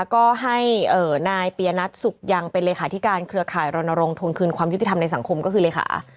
ก็ให้นายปียนัทสุขยังเป็นเลขาธิการเครือข่ายรณรงควงคืนความยุติธรรมในสังคมก็คือเลขา